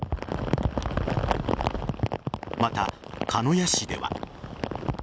また、鹿屋市では。